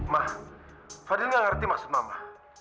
ma fadil gak ngerti maksud mama